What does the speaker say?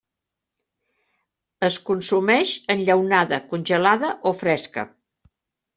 Es consumeix enllaunada congelada o fresca.